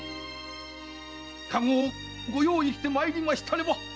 駕籠をご用意して参りましたればいざ藩邸に！